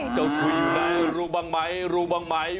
เจ้าทุยอยู่ไหนรู้บ้างไหมรู้บ้างไหม